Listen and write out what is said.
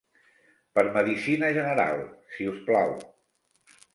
Per medicina general, si us plau.